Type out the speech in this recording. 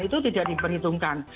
itu tidak diperhitungkan